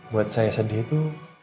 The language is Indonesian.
buat saya sedih itu